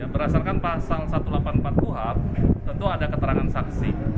berasalkan pasal seribu delapan ratus empat puluh h tentu ada keterangan saksi